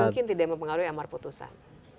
mungkin tidak mempengaruhi amar putusan